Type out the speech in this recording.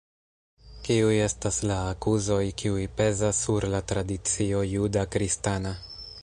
Kiuj estas la akuzoj kiuj pezas sur la tradicio juda kristana?